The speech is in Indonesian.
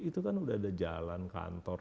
itu kan udah ada jalan kantor